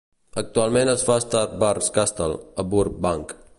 Actualment es fa a Starburns Castle, a Burbank.